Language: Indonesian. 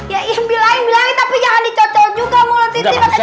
ya iya bilangin bilangin tapi jangan dicocok juga mulut siti pak ade